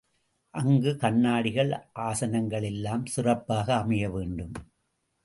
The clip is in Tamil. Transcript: அங்கு கண்ணாடிகள், ஆசனங்கள் எல்லாம் சிறப்பாக அமைய வேண்டும்.